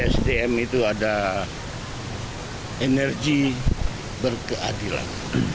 sdm itu ada energi berkeadilan